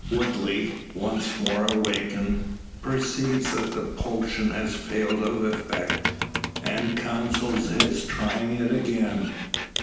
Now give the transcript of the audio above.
Woodley, once more awakened, perceives that the potion has failed of effect, and counsels his trying it again.